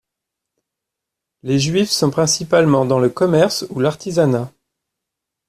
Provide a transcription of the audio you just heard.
Les Juifs sont principalement dans le commerce ou l'artisanat.